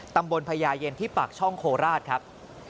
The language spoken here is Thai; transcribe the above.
พญาเย็นที่ปากช่องโคราชครับ